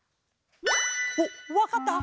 おっわかった？